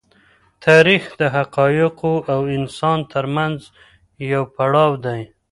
تاریخ د حقایقو او انسان تر منځ یو پړاو دی.